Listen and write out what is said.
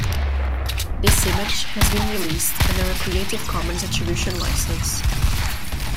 This image has been released under a creative commons attribution license.